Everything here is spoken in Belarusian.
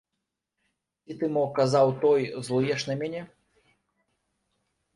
Ці ты мо , казаў той, злуеш на мяне?